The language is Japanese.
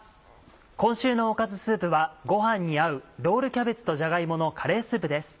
今週のおかずスープはご飯に合う「ロールキャベツとじゃが芋のカレースープ」です。